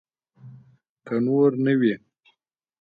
که نور نه وي.